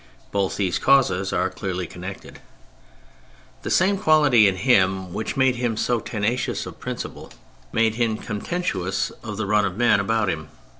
Both these causes are clearly connected. The 62 THE FRENCH REVOLUTION same quality in him which made him so tenacious of principle made him contemptuous of the run of men about him.